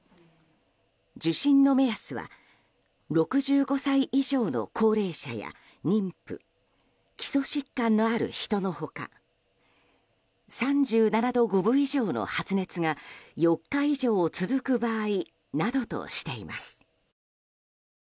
重症の目安は６５歳以上の高齢者や妊婦基礎疾患のある人の他３７度５分以上の発熱が４日以上続く場合などとしています。